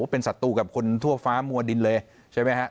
เป็นสัตว์ตัวกับคนทั่วฟ้ามัวดินเลยใช่ไหมครับ